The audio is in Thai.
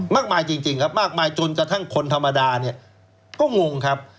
มากมายจริงครับมากมายจนกระทั่งคนธรรมดาเนี่ยก็งงครับ